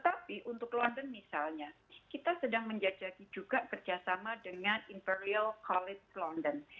apakah ini bisa dilakukan sama dengan imperial college london